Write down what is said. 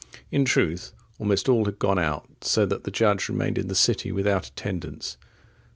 In truth, almost all had gone out, so that the judge remained in the city without attendance. St.